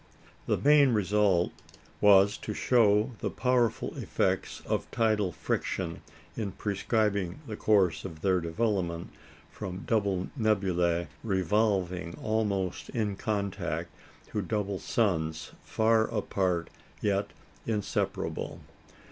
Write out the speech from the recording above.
The main result was to show the powerful effects of tidal friction in prescribing the course of their development from double nebulæ, revolving almost in contact, to double suns, far apart, yet inseparable.